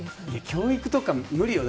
教育とか無理よ。